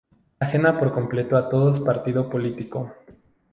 Ajena por completo a todos partido político.